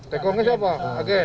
tekongnya siapa agen